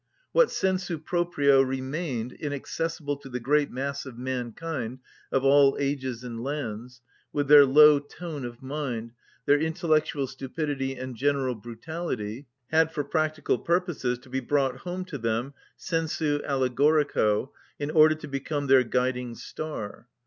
What sensu proprio remained inaccessible to the great mass of mankind of all ages and lands, with their low tone of mind, their intellectual stupidity and general brutality, had, for practical purposes, to be brought home to them sensu allegorico, in order to become their guiding star.